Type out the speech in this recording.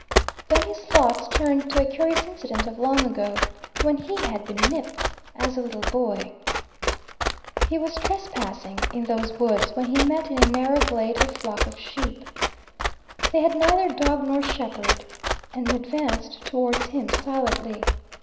Then his thoughts turned to a curious incident of long ago, when he had been "nipped" as a little boy. He was trespassing in those woods, when he met in a narrow glade a flock of sheep. They had neither dog nor shepherd, and advanced towards him silently.